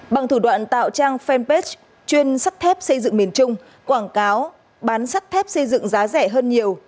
bằng thủ đoạn tạo trang fanpage chuyên sắt thép xây dựng miền trung quảng cáo bán sắt thép xây dựng giá rẻ hơn nhiều